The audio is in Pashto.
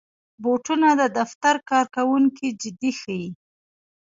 بوټونه د دفتر کارکوونکي جدي ښيي.